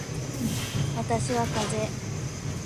私はかぜ